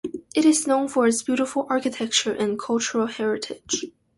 It is known for its beautiful architecture and cultural heritage.